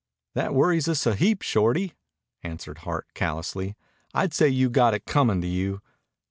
"That worries us a heap, Shorty," answered Hart callously. "I'd say you got it comin' to you."